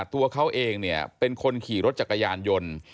ตัวเขาเองเป็นคนขี่รถจักรยานยนต์